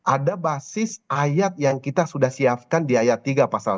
ada basis ayat yang kita sudah siapkan di ayat tiga pasal tiga